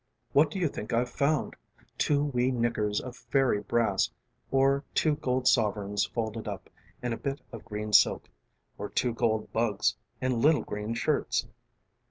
:: ┬Ā┬ĀWhat do you think I've foundŌĆö ┬Ā┬Ātwo wee knickers of fairy brass, ┬Ā┬Āor two gold sovereigns folded up ┬Ā┬Āin a bit of green silk, ┬Ā┬Āor two gold bugs ┬Ā┬Āin little green shirts?